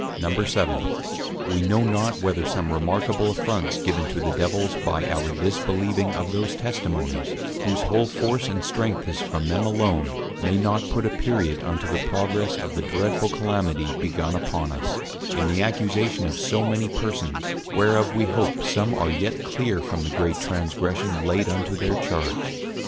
_ VII. _We know not, whether some remarkable Affronts given to the Devils, by our disbelieving of those Testimonies, whose whole force and strength is from them alone, may not put a Period, unto the Progress of the dreadful Calamity begun upon us, in the Accusation of so many Persons, whereof we hope, some are yet clear from the great Transgression laid unto their Charge.